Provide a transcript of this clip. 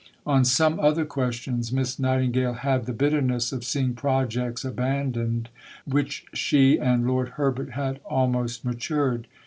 On some other questions Miss Nightingale had the bitterness of seeing projects abandoned which she and Lord Herbert had almost matured.